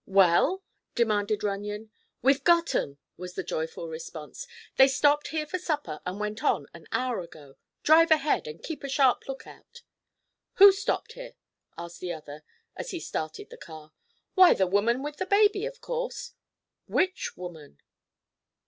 "Well?" demanded Runyon. "We've got 'em!" was the joyful response. "They stopped here for supper and went on an hour ago. Drive ahead, and keep a sharp lookout." "Who stopped here?" asked the other, as he started the car. "Why the woman with the baby, of course." "Which woman?"